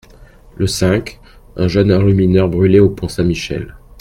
Le cinq, un jeune enlumineur brûlé au pont Saint-Michel.